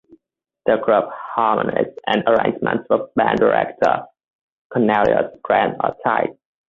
The group harmonies and arrangements of band director Cornelius Grant are tight.